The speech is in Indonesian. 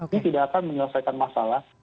ini tidak akan menyelesaikan masalah